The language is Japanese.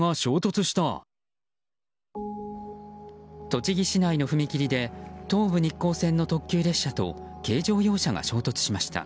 栃木市内の踏切で東武日光線の特急列車と軽乗用車が衝突しました。